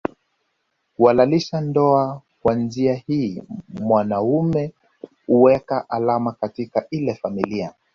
Kuhalalisha ndoa Kwa njia hii mwanaume huweka alama katika ile familia